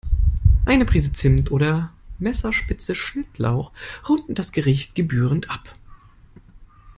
Eine Prise Zimt oder Messerspitze Schnittlauch rundet das Gericht gebührend ab.